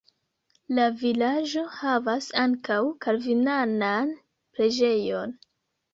La vilaĝo havas ankaŭ kalvinanan preĝejon.